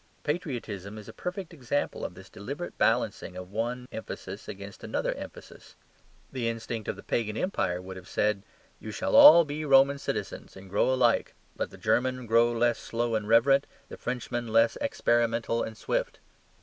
Patriotism is a perfect example of this deliberate balancing of one emphasis against another emphasis. The instinct of the Pagan empire would have said, "You shall all be Roman citizens, and grow alike; let the German grow less slow and reverent; the Frenchmen less experimental and swift."